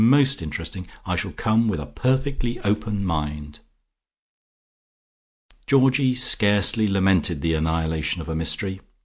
"Most interesting! I shall come with a perfectly open mind." Georgie scarcely lamented the annihilation of a mystery.